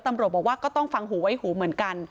ตำรวจบอกว่าก็ต้องฟังหูไว้หูเหมือนกัน